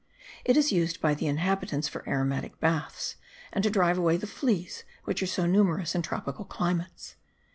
It is used by the inhabitants for aromatic baths, and to drive away the fleas which are so numerous in tropical climates.